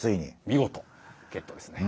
見事ゲットですね。